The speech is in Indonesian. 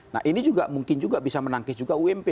nah ini juga mungkin juga bisa menangkis juga ump